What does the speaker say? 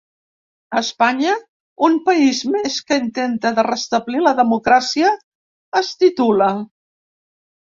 Espanya: un país més que intenta de restablir la democràcia, es titula.